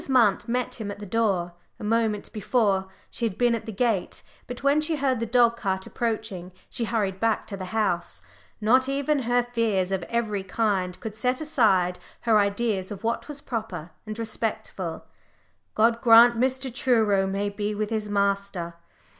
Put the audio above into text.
Munt met him at the door; a moment before, she had been at the gate, but when she heard the dog cart approaching, she hurried back to the house. Not even her fears of every kind could set aside her ideas of what was proper and respectful. "God grant Mr. Truro may be with master!"